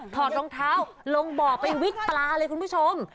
ถอดรองเท้าลงบ่อไปวิกปลาเลยคุณผู้ชม